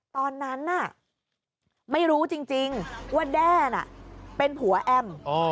ตอนนั้นน่ะไม่รู้จริงว่าแด้น่ะเป็นผัวแอม